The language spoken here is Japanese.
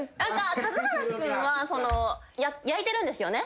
数原君は焼いてるんですよね。